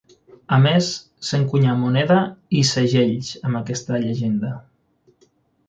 A més s'encunyà moneda i segells amb aquesta llegenda.